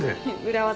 裏技。